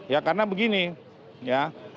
ya karena begini ya